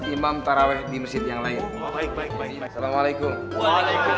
imam taraweh gemes yang lain buffaloible a chill kayak emangot into penjajah kuningimes